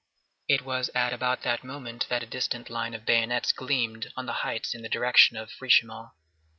It was at about that moment that a distant line of bayonets gleamed on the heights in the direction of Frischemont.